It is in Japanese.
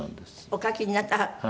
お書きになった。